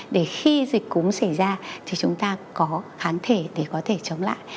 để khi dịch cúm xảy ra thì chúng ta có kháng thể để có thể chống lại